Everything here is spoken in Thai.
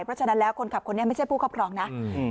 เพราะฉะนั้นแล้วคนขับคนนี้ไม่ใช่ผู้ครอบครองนะ